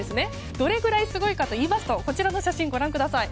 どれくらいすごいかといいますとこちらの写真ご覧ください。